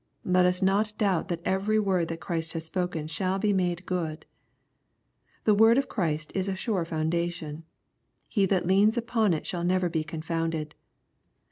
Let us not doubt that every word that Christ has spoken shall be made good. The word of Christ is a sure foundation. He that leans upon i( shall never be confounded.